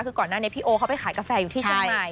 คือก่อนหน้านี้พี่โอเขาไปขายกาแฟอยู่ที่เชียงใหม่